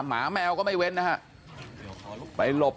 หมาแมวก็ไม่เว้นนะฮะ